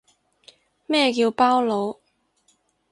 咩叫包佬